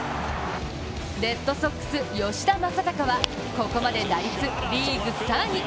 レッドソックス・吉田正尚はここまで打率リーグ３位。